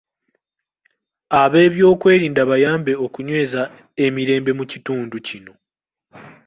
Abeebyokwerinda, bayambe okunyweza emirembe mu kitundu kino.